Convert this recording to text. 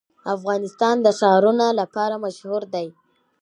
افغانستان د ښارونه لپاره مشهور دی.